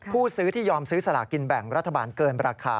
ผู้ซื้อที่ยอมซื้อสลากินแบ่งรัฐบาลเกินราคา